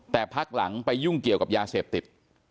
แต่พักหลังไปยุ่งเกี่ยวกับยาเสพติด